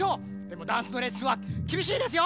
でもダンスのレッスンはきびしいですよ！